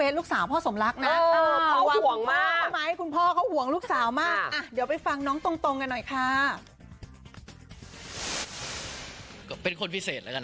ที่ขับรถนั้น